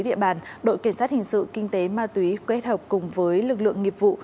quản lý địa bàn đội kiểm soát hình sự kinh tế ma túy kết hợp cùng với lực lượng nghiệp vụ